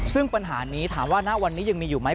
ซึ่งปัญหานี้ถามว่าณวันนี้ยังมีอยู่ไหม